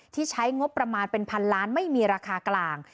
ใช้งบประมาณเป็นพันล้านไม่มีราคากลาง